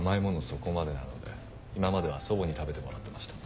そこまでなので今までは祖母に食べてもらってました。